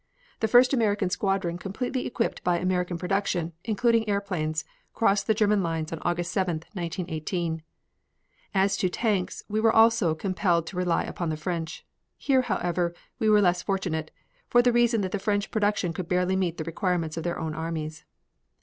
The first American squadron completely equipped by American production, including airplanes, crossed the German lines on August 7, 1918. As to tanks, we were also compelled to rely upon the French. Here, however, we were less fortunate, for the reason that the French production could barely meet the requirements of their own armies.